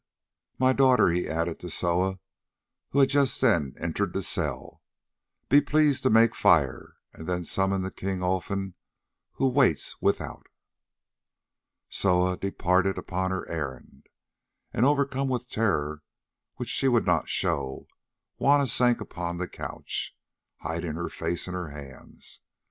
My daughter," he added to Soa, who just then entered the cell, "be pleased to make fire, and then summon the king Olfan, who waits without." Soa departed upon her errand, and, overcome with terror which she would not show, Juanna sank upon the couch, hiding her face in her hands.